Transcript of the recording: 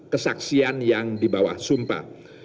kesaksian yang di bawah sumpah